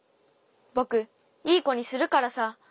ぼく、いいこにするからさ！